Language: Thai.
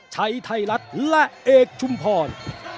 ชัยไทยรัฐและเอกชุมพร